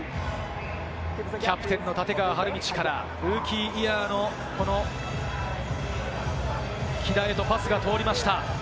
キャプテンの立川理道からルーキーイヤーのこの木田へとパスが通りました。